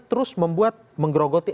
terus membuat menggerogoti